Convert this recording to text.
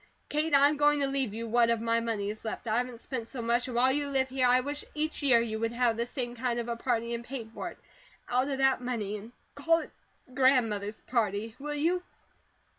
Kate, I am going to leave you what of my money is left I haven't spent so much and while you live here, I wish each year you would have this same kind of a party and pay for it out of that money, and call it 'Grandmother's Party.' Will you?"